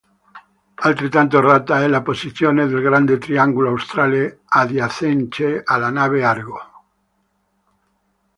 Altrettanto errata è la posizione del grande triangolo australe adiacente alla Nave Argo.